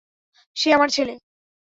সে আমার ছেলে!